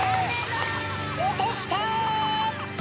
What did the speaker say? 落とした！